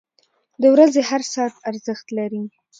• د ورځې هر ساعت ارزښت لري.